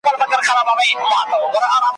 د اجل د ښکاري غشي پر وزر یمه ویشتلی ,